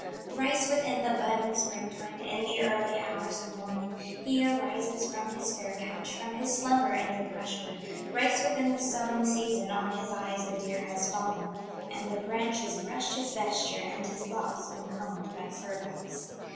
Thrice within the budding spring time In the early hours of morning He arises from his fare couch, From his slumber in the brush wood, Thrice within the sowing season, On his eyes the deer has fallen, And the branches brushed his vesture, And his locks been combed by fir boughs.